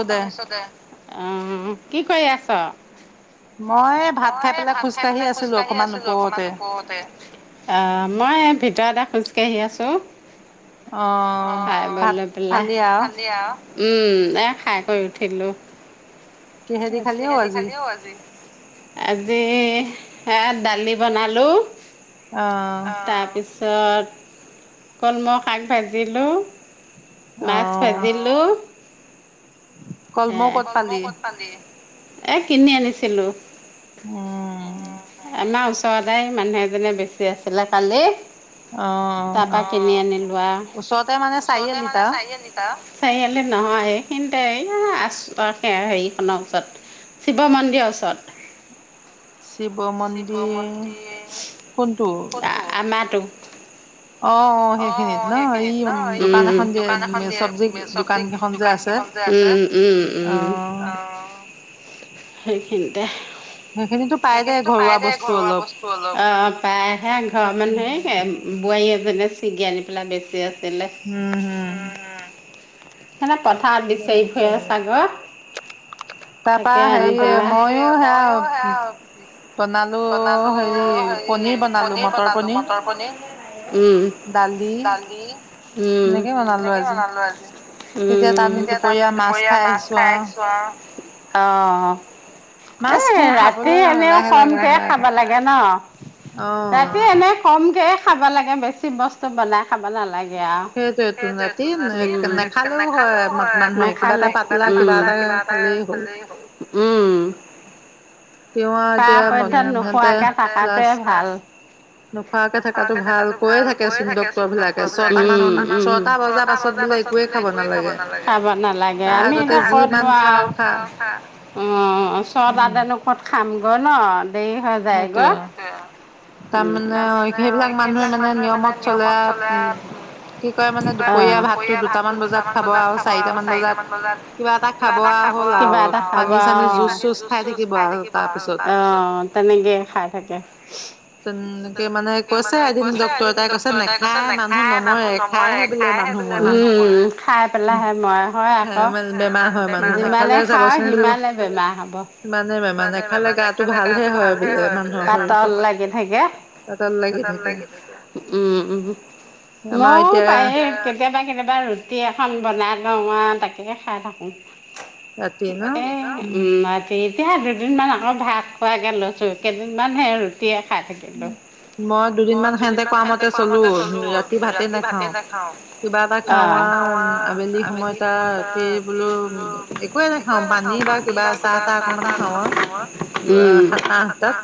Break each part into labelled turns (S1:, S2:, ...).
S1: অ' শুনিছো দে। কি কৰি আছ?
S2: মই ভাত খাই পেলাই খোজকাাঢ়ি আছিলো, অকমান ওপৰতে।
S1: অ' মই ভিতৰতে খোজকাই আহি আছোঁ। খাই বই লৈ পেলাই। উম, এ খাই বৈ উঠিলোঁ। আ' কি হৰি খালি হ আজি? আজি এ দালি বনালোঁ, তাৰপিছ পিছত কলমৌ শাক ভাজিলোঁ। মাছ ভাজি।
S2: কলমৌ ক'ত পালি।
S1: এ কিনি আনিছিলো। আমাৰ ওচৰ সদায় মানুহ এজনী বেছি আছিলে কালি, তাৰপা কিনি আনিলো আ' চাৰিআলি নহয়। সিন্তেই এ আছ হেৰি, খনৰ ওচৰত শিৱ মন্দিৰৰ ওচৰত।
S2: শিৱ মন্দিৰ কোনটো?
S1: উম-উম-উম-উম। সেইখিনি। তে। অ' পাইহে ঘৰৰ মানুহে বোৱাৰী এজনে চিগি আনি পেলাই বেছি আছে।
S2: উম' হম।
S1: নমাক [unintelligible] পথাৰত বিচাৰি ফুৰে ছাগ তাক মইও সেয়া বনালো হেৰি পনিৰ বনালো মটৰ পনিৰ দালি উ এনেকে বনালো আজি
S2: তাত দুপৰীয়া মাছ খাই আহিছো আৰু
S1: আহ ৰাতি এনেও কমকে খাব লাগে ন ৰাতি এনে কমকে খাব লাগে বেছি বস্তু বনাই খাব নালাগে
S2: সেইটোৱে তো ৰাতি নেখালেও হয় মানুহে কিবা এটা পাতলা কিবা এটা
S1: এ উ ত পত নোখোৱাকে থকাতোৱে ভাল নোখোৱাকে থকাটো ভাল কৈ থাকে চোন ডক্টৰবিলাক উ উ ছটা বজাৰ পাছত বোলে একোৱে খাব নালাগে আমি এনে লোৱা উ চদাদনো কত খাম গনন
S2: সেইটোয়ে, তাৰমানে সেইবিলাক মানুহে মানে নিয়মত চলে, কি কয় মানে দুপৰীয়া ভাতটো দুটামান বজাত খাব আৰু চাৰিটামান বজাত কিবা এটা
S1: কিবা এটা খাব, কিবা এটা খাব অ জুচ চুচ খাই থাকিব আৰু অ তেনে এনেকে খাই থাকে। তেনেকে মানে কৈছে এদিন ডক্টৰ এটাই কৈছে নাখাই মানুহ নমৰে খাইহে বোলে খাই পেলাইহে মৰে হয় আকৌ মানে যিমানে খাই সিমানে বেমাৰ হব, সিমানে বেমাৰ নেখালে গাটো ভাল হয় বোলে পাতল লাগিল হেৰিকে, অ উম উম ন পাৰে, কেতিয়াবা কেতিয়াবা ৰুটী এখন বাই লঙ আৰু তাকেহে খাই থাকোঁ। এ উম ৰাতি এতিয়া দুদিনমান আকৌ ভাত খোৱাকৈ লৈছোঁ কেইদিনমান সে ৰুটিয়ে খাই থাকিলো, মই দুদিনমান সহতে খোৱা মতে চলো ৰাতি ভাতে নাখাও, খা আৰু আবেলি সময়ত ৰা
S2: একোৱে নাখাও, পানী বা কিবা চাহ তাহ অকমান খাওঁ আৰু, সাতটা আঠটাত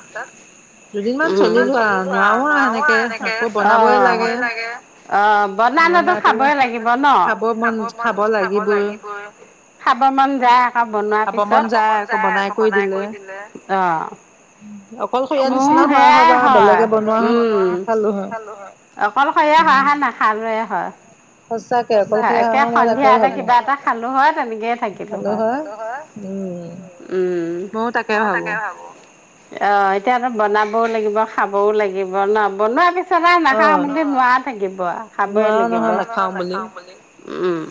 S2: দুদিনমান
S1: দুদিনমান চলিলো আও, নোৱাৰো এনেকে খাব ই লাগে অ বনাই মেলি খাবই লাগিব ন, খাব লাগিবই। খাব মন যায় আকৌ বনোৱাৰ পিছত, মন যায় আকৌ বনাই কৰি দিলে অ, মোৰ সেয়াই হয় উম, অকলশৰীয়া হয় হা নাখালোৱে হয়। সঁচাই, সন্ধিয়া এটা কিবা এটা খালো হত তে থাকিলো হয়, উম, মই তাকে ভাবো। অ এতিয়া আৰু বনাবও লাগিব, খাবও লাগিব ন বনোৱা পিছ চদাই নাখাম বুলি নোৱা থাকিব। খাবই লাগিব, নাখাও বুলি উম।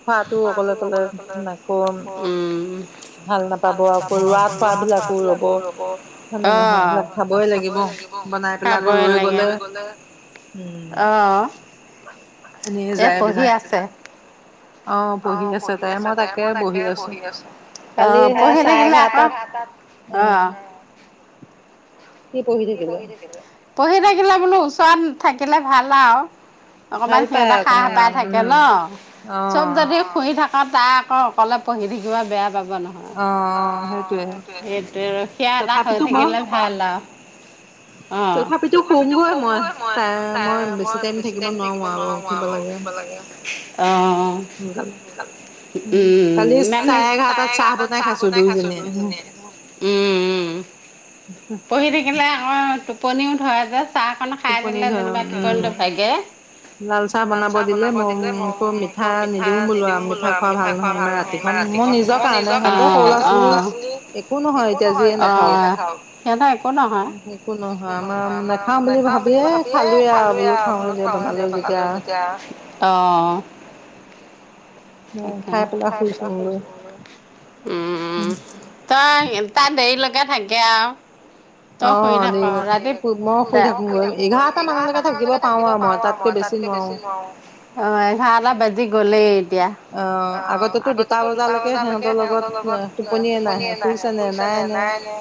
S1: [unintelligible] খাবই লাগিব খাবই লাগে হৈ
S2: উম, এনেই যায় এইবিলাক।
S1: অহ পঢ়ি আছ তাই, মই তাকে বহি আছো আহ পঢ়ি থাকিলে আহ। কি পঢ়ি থাকে বা পঢ়ি থাকিলে বোলো ওচৰত থাকিলে ভাল আও। অকমান সিহঁতে খাহ পাই থাকে ন। চব যদি শুই থাক তাই আকৌ অকলে পঢ়ি থাকিব বেয়া পাব [unintelligible] সেয়া এটা হৈ থাকিলে ভাল আৰু অ তথাপিতো কওঁ মই [unintelligible] [unintelligible] উম ম চাহ বনাই খাইছো দুই জনিয়ে উম উ পঢ়ি থাকিলে অ টোপনিও ধৰা যাত চাহকন খাই দিলে যেনিবা কি [unintelligible] লাল চাহ বনাব দিলে মম নিদিও বোলো মিঠা খোৱা ভাল নহয় ইমন ৰাতিখন মই [unintelligible] বুলি ভাবিয়ে খালোে বোলো খাে যে বনালো যেতিয়া অ [unintelligible] উম ত ত দে ল থাকে আও তই শুই থাক ৰাতি শুই থাক এঘাৰটা মানলৈকে থাকিব পাৰো আওঁ আৰু মই তাতকে বেছি নোৱাৰো অ এঘাৰ গ'লেই অ আগতেতো দুটা বজালৈকে সিহঁতৰ লগত টোপনিয় নাহে শুইছে নে নাই নে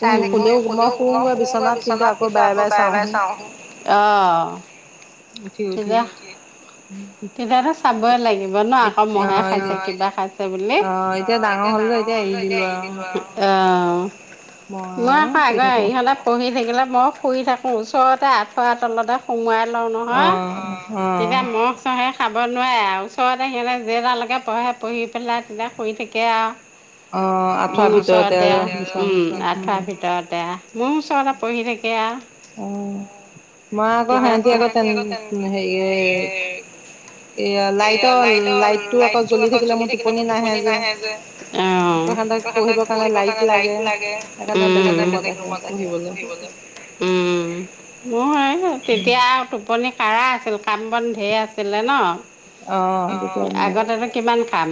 S1: চাই থাকিবহি মই শুলেও শুগৈ বিচনাত কিন্তু আকৌ বাৰে বাৰে চাওহি অ লাগিব সমহে খাইছে কিবা খাইছে বুলি অ এ ডাঙৰ হল যে এতিয়া এৰি দিলোঁ আও অ মই আকৌ আগৰ ইহঁতে পঢ়ি থাকিলে মোক শুই থাকোঁ ওচৰতে আঠুৱা তলতে সোমোৱাই ল নহয় তেতিয়া মহ চহে খাব নোৱাৰে আৰু ওচৰত সিতে যে তালৈকে পঢ়ে পঢ়ি পেলাই তেতিয়া শুই থাকে আও মোৰ ওচৰতে উম আঠুৱা ভিতৰতে মোৰ ওচৰতে পঢ়ি থাকে আ
S2: অ মা আকৌ সিহতি আকৌ তে হেৰিয়
S1: লটৰ লটো আকৌ জ্বলি থাকিলে মোৰ টোপনি নাহে যে ত পঢ়িব কাৰণে ল লে উম মোৰ তেতিয়া আৰু টোপনি কাঢ়া আছে আছিল কাম বন ধেৰ আছিলে ন আগতেতো কিমান খাম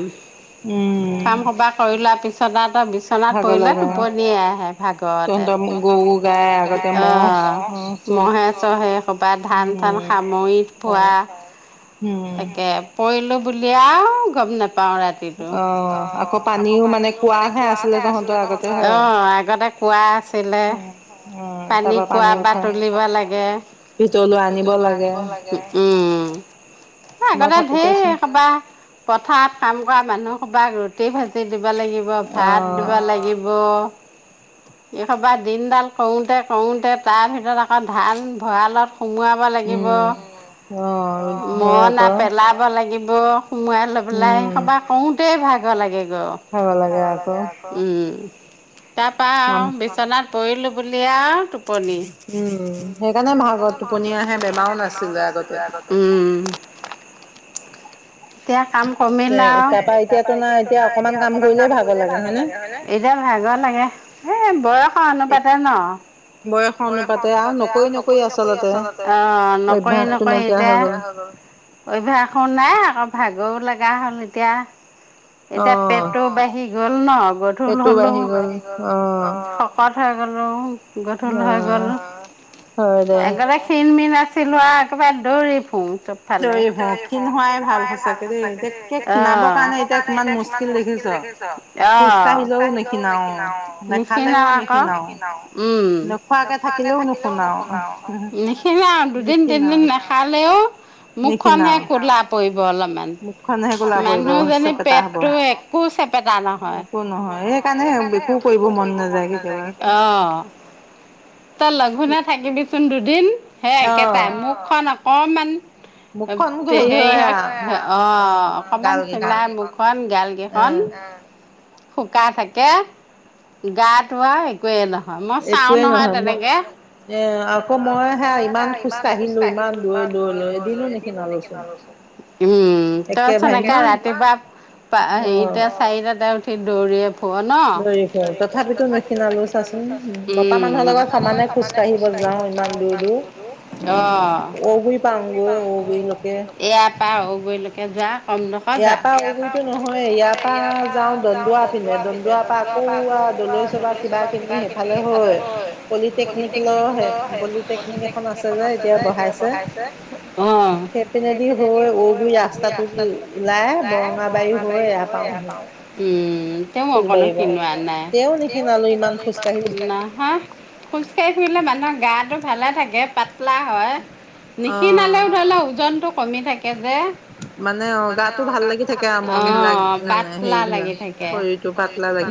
S1: কাম সবাহ কৰি লোৱা পিছত ত বিচনাত পৰিলে টোপনিয়ে আহে ভাগৱতে আহ মহেশৰ সেই সবাহ ধান চান সামৰিত পোৱা তাকে পলো বল গম ন পা ৰাতিটো অ আক পানীও মানে কোৱা হে আছিল তহঁতৰ অ আগতে কোৱা আ পানী খোৱা বাতুলিব লাগে আনিব লাগ আগতে ঢেৰ কবা পথাৰত কাম কৰা মানুহ কবাক ৰুটি ভাজি দিব দিব লাগিব ভাত দিব লাগিব এইসবাৰ দিনডাল কৰোঁতে কৰোতে তাৰ ভিতৰত আকৌ ধান ভঁৰালত সোমোৱাব লাগিব ম ন পেলাবলৈাগ লাগিব সোমোৱাই লৈ পেলাই সবা কৰোতেই ভাগ লাগে খ লাগে উম তাৰাপা আহ বিচনাত পৰিলো বুলি আৰু
S2: উম সেইকাৰণে ভাগৰ টোপনীয়া আহে বেমাৰও নাছিলে আগতে
S1: এতিয়া কাম কমিলাও তাৰ এতিয়া ন এতি অকমান কাম কৰিলে ভ লাগ হয় এতিয়া ভাগ লাগে এই বয়সৰ অনুপাতে ন বয়স অনুাতে আচলতে অ নকৰি নকৰি এতিয়া অভ্যাসো নাই আকৌ ভাগৰো লগা হ'ল এতিয়া এতিয়া পেটটো বাঢ়ি গ'ল ন গধূল হলেও বাহি গল শকত খৰা গলং গধল হৈ গ'ল একগে ক্ষীণ মিন আছে ছিলো একেবাৰ দৌৰি ফু ভালোই ভাল সচে খাব কাৰণে এতিয়া কিমান মু্কিল দেখিছ অ কিলেও নিনাও নিনাও আক নিনাও উম নোখোৱ থাকিলেও নুু নিনা আৰু দুদিন তিনদিন নাখালেও মুখখনহে কোলাপ অলপমান পেতো একো চেপ নহ অ সেইকাৰণে একুকৰিব মন নেযায় হয় অ শুনা থাকিবি চুন্দ দুদিন সেই একেইটাই মুখখন আকৌ অঁ কমান সেৰি হক অ অকণমান চেমাৰ মুখখন গালকেইখন শুকাই থাকে গাটো আৰু একোৱেই লওঁ।
S2: একোৱেই নহয় মই এ আকৌ মই হে ইমান খোজ কাঢ়িলো ইমান দূৰ দূৰলৈ
S1: দিন নেক নালৈচ [unintelligible] উম ত সনেকে ৰাতিপুৱা হেৰিতে চাৰিটাতে উঠি দৌৰিয় ফুৱ অকনমান নিখিনালোচু মতামানুহ সমানে খুজ কাহিব যাওঁ ইমান দূৰ দূৰ ইয়াৰ পৰাগৈলৈকে যোৱা কমডোখৰ যা ইয়াৰ ইয় নযোৱা যোৱাৰ পৰা আকৌ দছো বা কিবা কিবি এফালে হয় পলিটেকনিক পলিটেকনিক এখন আছে যে এতিয়া পঢ়াইছে অ সেই তেনেদি হৈ ৰাস্তাটো ওলাই বৰঙা বাৰী হৈ এয়া পাও উ‌ তেওঁ অকণো কিনোৱা নাই হা খোজ কঢ়ি ফৰিলে মানুহ গাটো ভালে থাকে পাত লা হয় নিশিনালেও ওজনতটো কমি থাকে অ পাতলা লাগি থাকে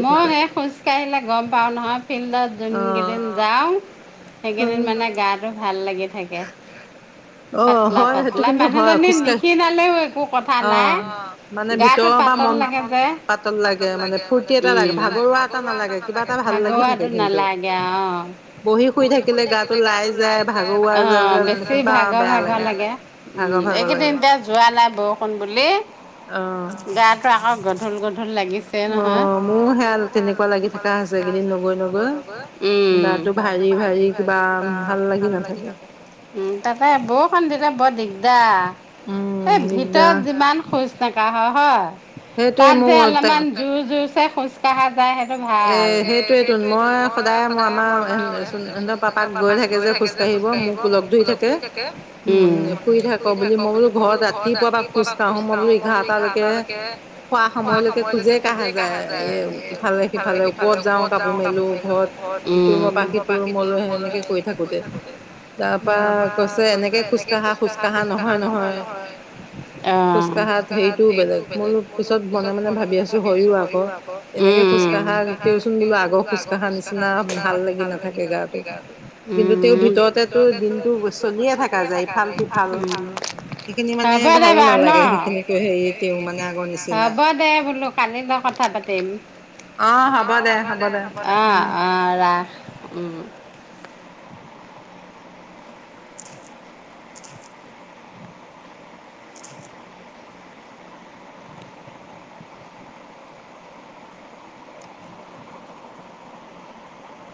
S1: মই খোজ কাঢ়িলে গম পাওঁ নহয় ফিল্ডত যোন কেইদিন যাওঁ সেইকেইন মানে গাটো। ভাল লাগি থাকে, পাতলা পাতলা মানুহ জী নিশিনালেও একো কথা নাই গাটোত পাতল লাগে যোগৰু ভাগৰু নালাগে অ পি শু থাকিলে গ ল য অ বেছি ভাগ
S2: বেয়া লাগে।
S1: লাগে উম এইকেইদিনতিয়া যোৱা নাই বৰষুণ বুলি
S2: আঁহ
S1: গধল গধল লিছে নহয় ভ কিবা ভ লাগি থ তাতে বৌ মন্দত বৰ দিগদাৰ এই ভিতৰত যিমান শোচ নকাঢ়ো হয় হয় তাত যে অলপমান জোৰ জোৰছে খোঢ় তাৰপৰা সেইটো ভাল এ সেইটোটো মই সদায় মই আমাৰ পাপাক গৈ থাকে যে খোজ কাঢ়িব মোক লগ ধৰি থাকে।
S2: উ ফুৰিই থাকো বুলি মই বোলো ঘৰত ৰাতিপুৱা বা খোজ কাঢ়ো মই বোলো এঘাৰটালৈকে খোৱা সময়লৈকে খোজে কাঢ়ে যায় এ ইফালে সফাল ফালে ওপৰত যাওঁ কাপোৰ মেলো ঘৰত ইটো ৰুমৰ পৰা সিটো ৰুমলৈ সেনেকে কৰি থাকোতে তাৰ পৰা কৈছে এনে
S1: এনেকে খোজ কঢ়া খোজ কঢ়া নহয় নহয়, অ, খোজ কঢ়াত সেইটো বেলেগ মোৰো পিছত মনে মনে ভাবি আছোঁ হয়ো আকৌ, উম উম
S2: খোজ কাঢ়া তেওঁচোন বোলো আগ খোজ কাঢ়া নিচিনা ভাল লাগি নেথাকে গাটো কিন্তু তেওঁ ভিতৰতেটো দিনটো চলিয়ে থাকে
S1: হ'ব দে বাৱ ন হ'ব দে বোলো কালি কথা পাতিম। উম আঁহ হব দে হব দে, আহ আহ ৰাস উম